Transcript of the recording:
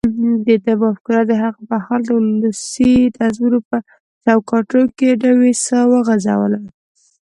دده مفکورې د هغه مهال د ولسي نظمونو په چوکاټونو کې نوې ساه وغځوله.